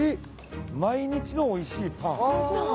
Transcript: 毎日のおいしいパン。